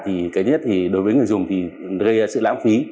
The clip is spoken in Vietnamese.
thì cái nhất thì đối với người dùng thì gây sự lãng phí